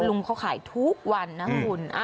ลุงเขาขายทุกวันนะคุณ